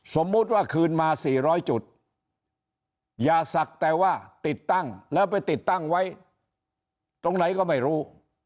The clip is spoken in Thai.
สมมุติว่าคืนมา๔๐๐จุดอย่าศักดิ์แต่ว่าติดตั้งแล้วไปติดตั้งไว้ตรงไหนก็ไม่รู้